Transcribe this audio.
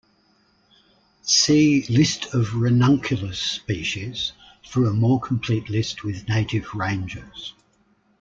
See List of "Ranunculus" species for a more complete list with native ranges.